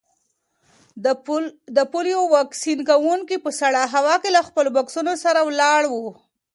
د پولیو واکسین کونکي په سړه هوا کې له خپلو بکسونو سره ولاړ وو.